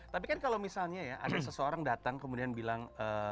tapi kan kalau misalnya ya ada seseorang datang kemudian bilang